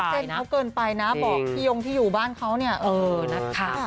อันนี้ก็ล้ำเต้นเขาเกินไปนะบอกพี่ยงที่อยู่บ้านเขาเนี่ยเออนัดข่าว